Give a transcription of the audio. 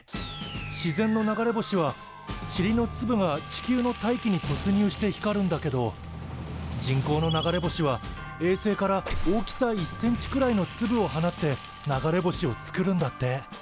自然の流れ星はちりのつぶが地球の大気に突入して光るんだけど人工の流れ星は衛星から大きさ１センチくらいのつぶを放って流れ星を作るんだって。